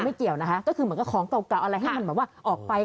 เกี่ยวนะคะก็คือเหมือนกับของเก่าอะไรให้มันแบบว่าออกไป